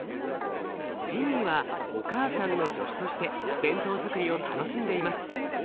ジミーはお母さんの助手として弁当づくりを楽しんでいます。